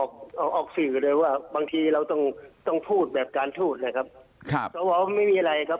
เบอร์โทรศรกษาวเสี่ยงเพื่อนบ้างไหมครับ